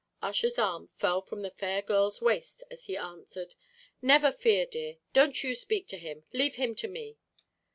Ussher's arm fell from the fair girl's waist as he answered, "Never fear, dear, don't you speak to him; leave him to me."